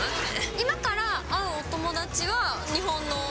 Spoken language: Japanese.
今から会うお友達は日本の？